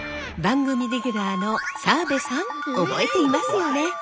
番組レギュラーの澤部さん覚えていますよね。